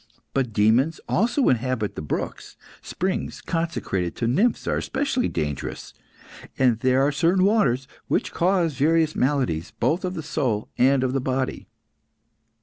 But demons also inhabit the brooks; springs consecrated to nymphs are especially dangerous, and there are certain waters which cause various maladies, both of the soul and of the body."